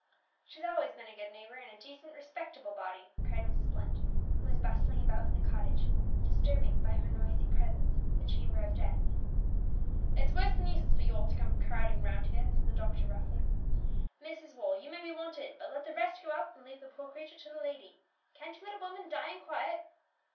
"She's al'ays been a good neighbour, and a decent, respectable body!" cried Mrs. Blunt, who was bustling about in the cottage, disturbing, by her noisy presence, the chamber of death. "It's worse than useless for you all to come crowding here," said the doctor roughly. "Mrs. Wall, you may be wanted, but let the rest go out and leave the poor creature to the lady; can't you let a woman die in quiet?"